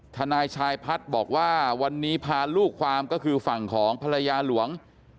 ทนายชายพัฒน์บอกว่าวันนี้พาลูกความก็คือฝั่งของภรรยาหลวง